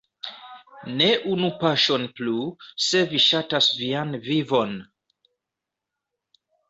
Ne unu paŝon plu, se vi ŝatas vian vivon!